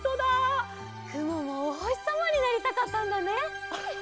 くももおほしさまになりたかったんだね。